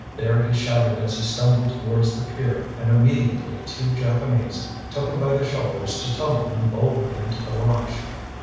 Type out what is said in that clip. There he shouted as he stumbled towards the pier, and immediately two Japanese took him by the shoulders to tumble him bodily into the launch.